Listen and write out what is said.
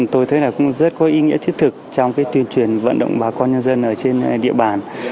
tôi thấy rất có ý nghĩa thiết thực trong tuyên truyền vận động bà con nhân dân trên địa bàn